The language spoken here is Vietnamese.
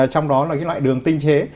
trong đó là cái loại đường tinh chế